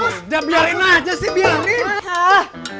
udah biarin aja sih biar